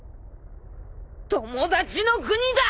友達の国だ！！